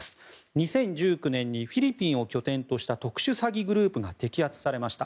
２０１９年にフィリピンを拠点とした特殊詐欺グループが摘発されました。